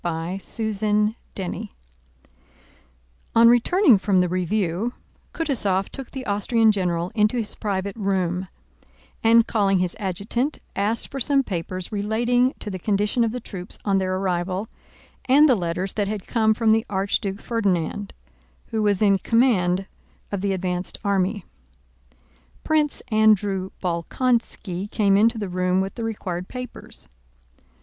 CHAPTER III On returning from the review, Kutúzov took the Austrian general into his private room and, calling his adjutant, asked for some papers relating to the condition of the troops on their arrival, and the letters that had come from the Archduke Ferdinand, who was in command of the advanced army. Prince Andrew Bolkónski came into the room with the required papers.